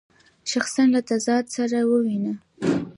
شخصاً له تزار سره وویني.